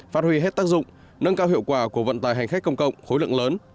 phát huy hết tác dụng nâng cao hiệu quả của vận tài hành khách công cộng khối lượng lớn